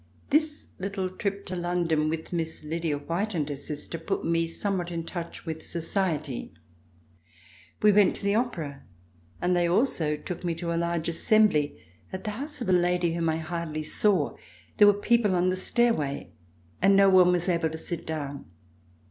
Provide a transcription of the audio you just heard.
This little trip to London with Miss Lydia White and her sister put me somewhat in touch with society. We went to the Opera and they also took me to a large assembly at the house of a lady whom I hardly saw. There were people on the stairway, and no one was able to sit down.